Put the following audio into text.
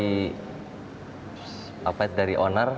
jadi kita ukur dulu kita sesuai dari owner